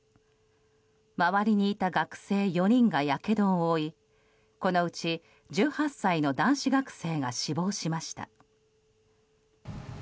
周りにいた学生４人がやけどを負いこのうち１８歳の男子学生が死亡しました。